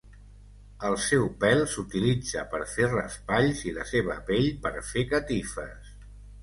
El seu pèl s'utilitza per fer raspalls, i la seva pell per fer catifes.